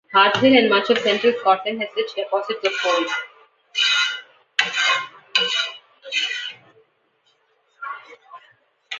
Harthill and much of Central Scotland has rich deposits of coal.